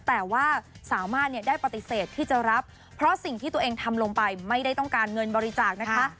แต่ว่าสามารถเนี่ยได้ปฏิเสธที่จะรับเพราะสิ่งที่ตัวเองทำลงไปไม่ได้ต้องการเงินบริจาคนะคะ